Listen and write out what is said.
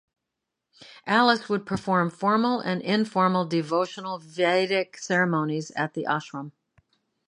Alice would perform formal and informal devotional Vedic ceremonies at the ashram.